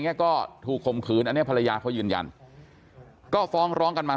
ก็ถูกข่มขืนอันนี้ภรรยาเขายืนยันก็ฟ้องร้องกันมา